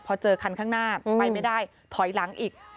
พอเจอคันข้างหน้าไปไม่ได้ถอยหลังอีก